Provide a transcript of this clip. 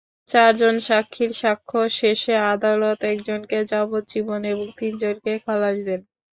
চারজন সাক্ষীর সাক্ষ্য শেষে আদালত একজনকে যাবজ্জীবন এবং তিনজনকে খালাস দেন।